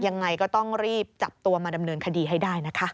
ยังไงก็ต้องรีบจับตัวมาดำเนินคดีให้ได้นะคะ